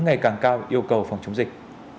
ngày càng cao yêu cầu phòng chống dịch